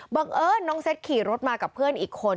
บังเอิญน้องเซ็ตขี่รถมากับเพื่อนอีกคน